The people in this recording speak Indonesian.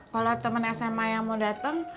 kalau temen sma yang mau dateng